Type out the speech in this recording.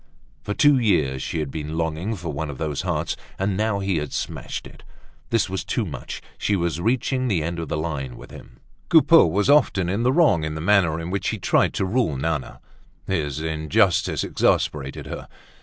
For two years she had been longing for one of those hearts, and now he had smashed it! This was too much, she was reaching the end of the line with him. Coupeau was often in the wrong in the manner in which he tried to rule Nana. His injustice exasperated her.